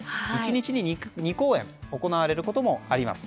１日２公演行われることもあります。